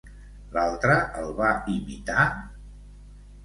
L'altre el va imitar?